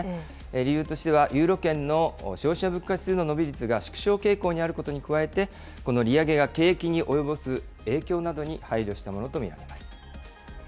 理由としては、ユーロ圏の消費者物価指数の伸び率が縮小傾向にあることに加えて、この利上げが景気に及ぼす影響に配慮したものと見られます。